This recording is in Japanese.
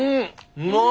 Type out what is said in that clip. うまい！